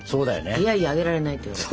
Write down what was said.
いやいやあげられないって言われて。